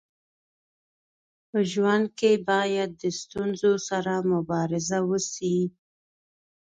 په ژوند کي باید د ستونزو سره مبارزه وسي.